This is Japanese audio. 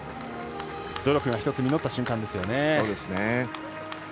努力が１つ実った瞬間ですよね。